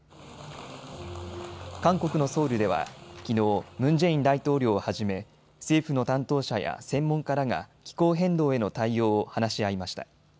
韓国のソウルではきのう、ムン・ジェイン大統領をはじめ政府の担当者や専門家らが気候変動への対応を話し合いました。